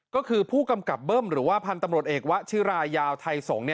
ก็คือผู้กำกับเบิ้มหรือว่าพันธุ์ตำรวจเอกวะชิรายาวไทยสงศ์